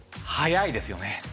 早いですよね。